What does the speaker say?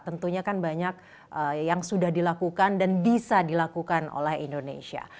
tentunya kan banyak yang sudah dilakukan dan bisa dilakukan oleh indonesia